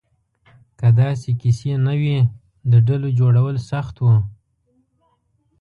که داسې کیسې نه وې، د ډلو جوړول سخت وو.